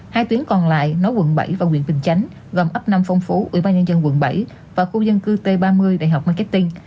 hai tuyến còn lại nối quận bảy và nguyện bình chánh gồm ấp nam phong phú ủy ban nhân dân quận bảy và khu dân cư t ba mươi đại học marketing